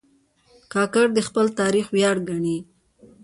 کاکړ د خپل تاریخ ویاړ ګڼي.